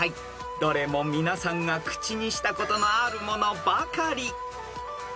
［どれも皆さんが口にしたことのあるものばかり］